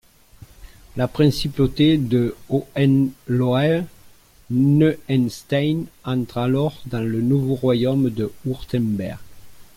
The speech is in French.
La principauté de Hohenlohe-Neuenstein entre alors dans le nouveau royaume de Wurtemberg.